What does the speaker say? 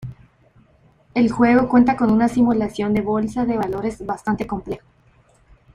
El juego cuenta con una simulación de bolsa de valores bastante complejo.